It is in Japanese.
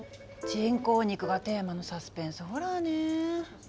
人工肉がテーマのサスペンスホラーねえ。